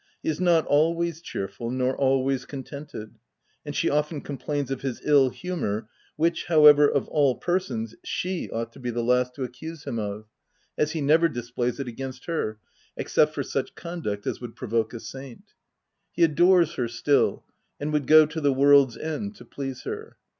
He is not always cheerful nor always contented, and she often complains of his ill humour, which, however, of all persons, she ought to be the last to ac OF WILDFELL HALL. 125 cuse him of, as he never displays it against her, except for such conduct as would provoke a saint. He adores her still, and would go to the world's end to please her.